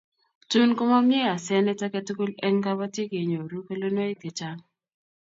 Tun komamie hasenet agetugul eng' kabatik ye nyoru kelunoik chechang